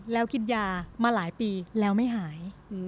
แล้วกินยามาหลายปีแล้วไม่หาย